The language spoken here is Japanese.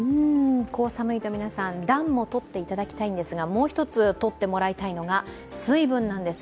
こう寒いと皆さん、暖もとっていただきたいんですがもう１つ、とってもらいたいのが水分なんです。